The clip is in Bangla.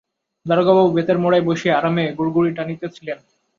দারোগাবাবু বেতের মোড়ায় বসিয়া আরামে গুড়গুড়ি টানিতেছিলেন।